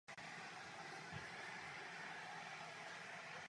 Měsíc plul po obloze naštěstí opět jen jediný.